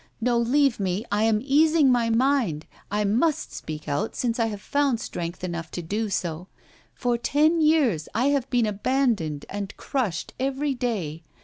No, leave me! I am easing my mind, I must speak out, since I have found strength enough to do so. For ten years I have been abandoned and crushed every day.